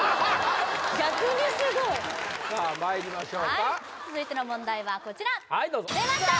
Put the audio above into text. さあまいりましょうかはい続いての問題はこちら出ました